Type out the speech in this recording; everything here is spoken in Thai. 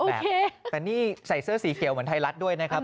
แต่นี่ใส่เสื้อสีเขียวเหมือนไทยรัฐด้วยนะครับ